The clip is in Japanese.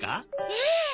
ええ。